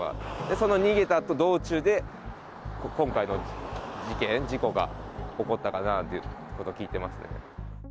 その逃げた道中で、今回の事件、事故が起こったかなということを聞いてます。